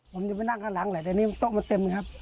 ผมจะไปนั่งข้างหลังแหละแต่นี่โต๊ะมันเต็มครับ